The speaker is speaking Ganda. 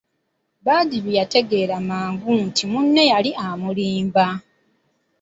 Badru yategeera mangu nti munne yali amulimba.